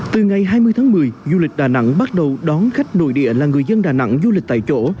từ ngày hai mươi tháng một mươi du lịch đà nẵng bắt đầu đón khách nội địa là người dân đà nẵng du lịch tại chỗ